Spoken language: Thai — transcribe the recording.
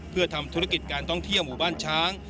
เพื่อทำธุรกิจการท่องเที่ยวหมู่บ้านช้าง